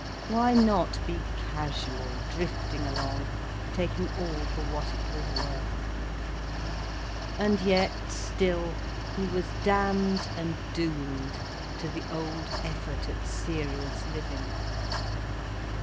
Why not be casual, drifting along, taking all for what it was worth? And yet, still, he was damned and doomed to the old effort at serious living.